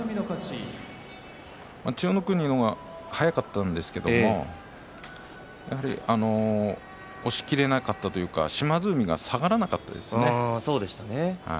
千代の国の方が速かったんですけど押しきれなかったというか島津海が下がらなかったですね。